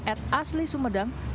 at asli sumedang